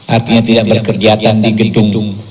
artinya tidak berkegiatan di gedung